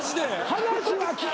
話は聞け。